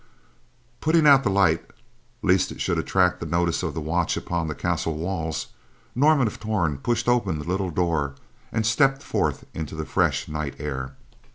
Putting out the light, lest it should attract the notice of the watch upon the castle walls, Norman of Torn pushed open the little door and stepped forth into the fresh night air.